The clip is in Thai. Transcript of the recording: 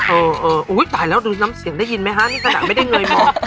เออเออตายแล้วดูน้ำเสียงได้ยินไหมฮะนี่ขนาดไม่ได้เงยมอง